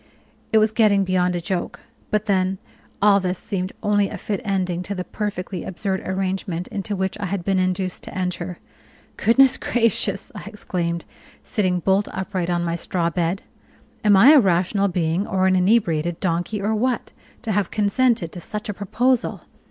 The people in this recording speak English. It was getting beyond a joke: but then all this seemed only a fit ending to the perfectly absurd arrangement into which I had been induced to enter. "Goodness gracious!" I exclaimed, sitting bolt upright on my straw bed, "am I a rational being or an inebriated donkey, or what, to have consented to such a proposal?